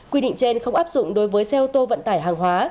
quy định trên không áp dụng đối với xe ô tô vận tải hàng hóa